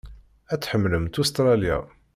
Ad tḥemmlemt Ustṛalya.